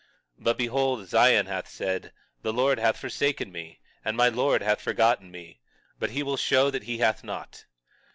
21:14 But, behold, Zion hath said: The Lord hath forsaken me, and my Lord hath forgotten me—but he will show that he hath not.